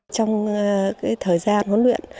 trong thời gian huấn luyện